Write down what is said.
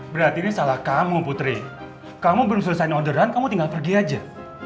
berarti ini salah kamu putri kamu belum selesai orderan kamu tinggal pergi aja